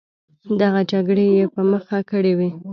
دغه جګړې یې په مخه کړې وې.